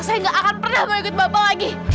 saya gak akan pernah mau ikut bapak lagi